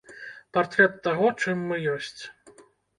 Партрэт таго, чым мы ёсць.